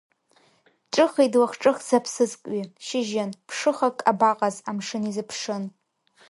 Дҿыхеит длахҿыхӡа аԥсыӡкҩы, шьыжьын, ԥшыхак абаҟаз, амшын изыԥшын.